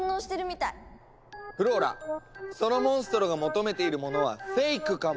フローラそのモンストロが求めているものは「フェイク」かも。